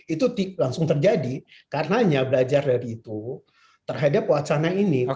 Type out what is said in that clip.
itu langsung terjadi karenanya belajar dari itu terhadap wacana ini